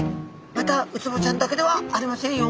またウツボちゃんだけではありませんよ。